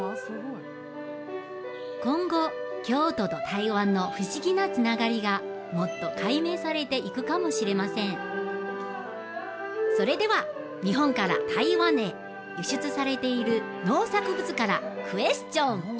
今後京都と台湾の不思議なつながりがもっと解明されていくかもしれませんそれでは日本から台湾へ輸出されている農作物からクエスチョン！